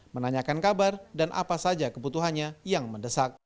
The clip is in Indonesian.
menanyakan kabar dan apa saja kebutuhannya yang mendesak